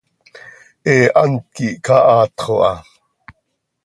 He hant quih cahaatxo ha.